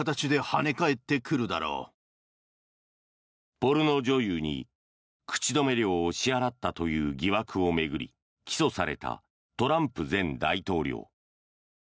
ポルノ女優に口止め料を支払ったという疑惑を巡り起訴されたトランプ前大統領。